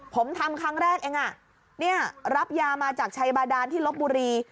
ผมทำครั้งแรกเองรับยามาจากชัยบาดานที่ลบบุรี